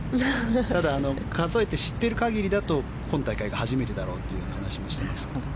ただ、数えて知っている限りでも今大会が初めてだろうと話していました。